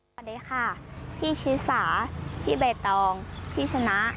สวัสดีค่ะพี่ชิสาพี่ใบตองพี่ชนะ